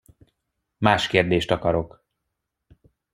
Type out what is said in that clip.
Más kérdést akarok.